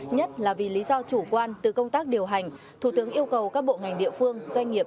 nhất là vì lý do chủ quan từ công tác điều hành thủ tướng yêu cầu các bộ ngành địa phương doanh nghiệp